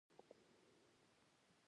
تواب د ژړا لورې ته ورغی.